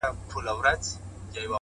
خپل ذهن له مثبت فکرونو ډک کړئ؛